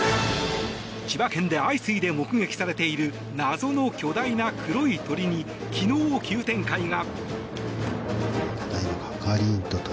千葉県で相次いで目撃されている謎の巨大な黒い鳥に昨日、急展開が。